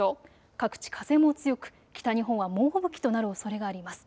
各地、風も強く北日本は猛吹雪となるおそれがあります。